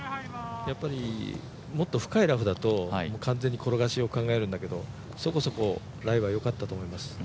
もっと深いラフだと転がしを完全に考えるんだけど、そこそこライはよかったと思います。